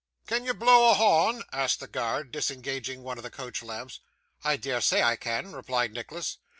'Can you blo' a harn?' asked the guard, disengaging one of the coach lamps. 'I dare say I can,' replied Nicholas.